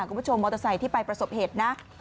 คุณผู้ชมมอเตอร์ไซค์ที่ไปประสบเหตุนะ